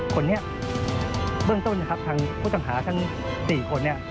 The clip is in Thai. คนนี้เบื้องต้นครับผู้จำหาทั้ง๔คน